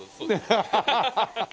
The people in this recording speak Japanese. ハハハハッ。